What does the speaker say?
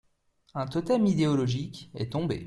Un totem idéologique est tombé.